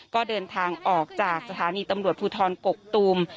ก็เดินทางออกจากสถานีตำรวจภูทรกกตูม